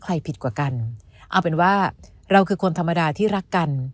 ผิดกว่ากันเอาเป็นว่าเราคือคนธรรมดาที่รักกัน